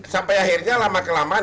sampai akhirnya lama kelamaan